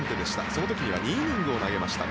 その時には２イニングを投げました。